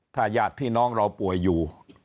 ถ้าญาติพี่น้องเราป่วยอยู่